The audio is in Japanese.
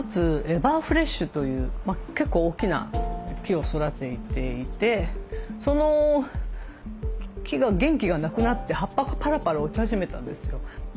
エバーフレッシュという結構大きな木を育てていてその木が元気がなくなって葉っぱがパラパラ落ち始めたんですよ。